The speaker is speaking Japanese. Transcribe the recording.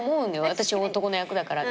私男の役だから。